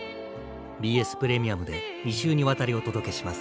ＢＳプレミアムで２週にわたりお届けします。